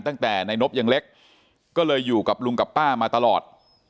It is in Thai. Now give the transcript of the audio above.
ตั้งแต่นายนบยังเล็กก็เลยอยู่กับลุงกับป้ามาตลอด